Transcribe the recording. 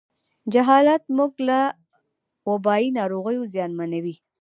جهالت موږ له وبایي ناروغیو زیانمنوي.